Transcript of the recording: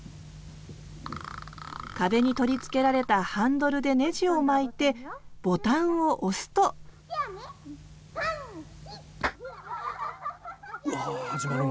壁に取り付けられたハンドルでねじを巻いてボタンを押すとうわ始まるんだ。